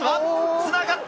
つながった！